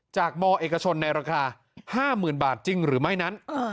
มเอกชนในราคา๕๐๐๐บาทจริงหรือไม่นั้น